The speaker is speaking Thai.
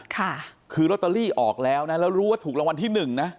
ค่ะคือลอตเตอรี่ออกแล้วนะแล้วรู้ว่าถูกรางวัลที่หนึ่งนะ